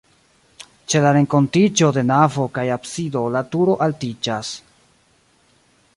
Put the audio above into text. Ĉe renkontiĝo de navo kaj absido la turo altiĝas.